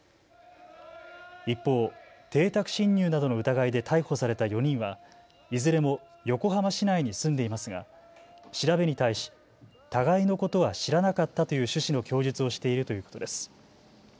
一方、邸宅侵入などの疑いで逮捕された４人はいずれも横浜市内に住んでいますが調べに対し互いのことは知らなかったという趣旨の供述をしているということです。